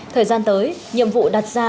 thời gian tới nhiệm vụ đặt ra